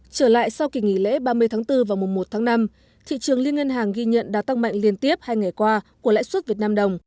trở lại sau kỳ nghỉ lễ ba mươi tháng bốn và mùa một tháng năm thị trường liên ngân hàng ghi nhận đã tăng mạnh liên tiếp hai ngày qua của lãi suất việt nam đồng